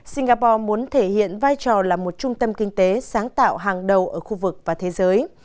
singapore muốn thể hiện vai trò là một trung tâm kinh tế sáng tạo hàng đầu ở khu vực và thế giới